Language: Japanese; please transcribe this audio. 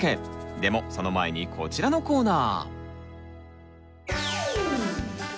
でもその前にこちらのコーナー！